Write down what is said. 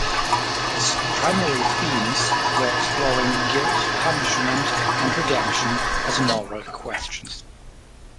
His primary themes were exploring guilt, punishment and redemption as moral questions.